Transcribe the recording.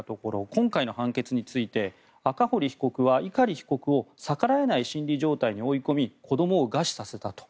今回の判決について赤堀被告は碇被告を逆らえない心理状態に追い込み子どもを餓死させたと。